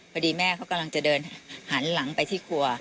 พอดีแม่เขากำลังจะเดินหันหลังไปที่ครัว